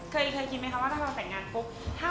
เคยคิดไหมถ้าเราแต่งงาน